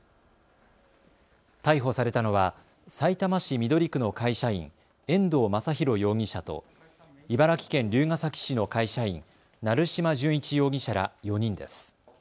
逮捕されたのはさいたま市緑区の会社員、遠藤昌宏容疑者と茨城県龍ケ崎市の会社員、成島純一容疑者ら４人です。